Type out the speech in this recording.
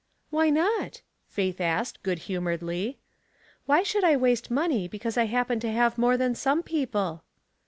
" Why not ?" Faith asked, good humoredly. " Why should I waste money because I happen to have more than some people